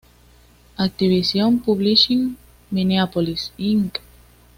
Activision Publishing Minneapolis, Inc.